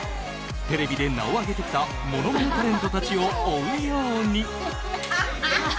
テレビで名を上げてきたものまねタレントたちを追うように。